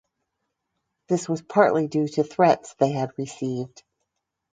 This was partly due to threats they had received.